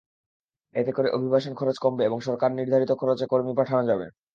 এতে করে অভিবাসন খরচ কমবে এবং সরকারনির্ধারিত খরচে কর্মী পাঠানো যাবে।